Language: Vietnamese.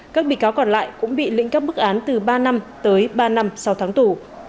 các bị cáo còn lại cũng bị lĩnh cấp bức án từ ba năm tới ba năm sau tháng tù